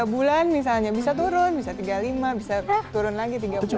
tiga bulan misalnya bisa turun bisa tiga puluh lima bisa turun lagi tiga puluh